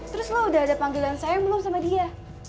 terus lo udah ada panggilan saya belum sama dia